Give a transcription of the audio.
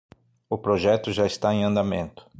O projeto já está em andamento